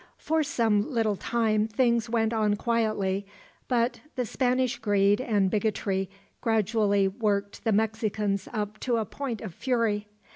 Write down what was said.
For some little time things went on quietly, but the Spanish greed and bigotry gradually worked the Mexicans up to a point of fury.